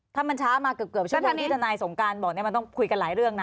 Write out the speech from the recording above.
ถ้ามันช้ามาเกือบชั่วโมงที่ทนายสงการบอกมันต้องคุยกันหลายเรื่องนะ